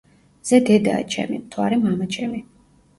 მზე დედაა ჩემი, მთვარე მამაჩემი.